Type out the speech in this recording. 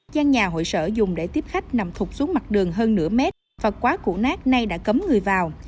giang nhà hội sở dùng để tiếp khách nằm thụt xuống mặt đường hơn nửa mét và quá cụ nát nay đã cấm người vào